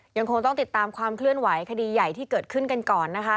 ยังคงต้องติดตามความเคลื่อนไหวคดีใหญ่ที่เกิดขึ้นกันก่อนนะคะ